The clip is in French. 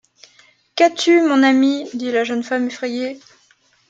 Qu’as-tu, mon ami? dit la jeune femme effrayée.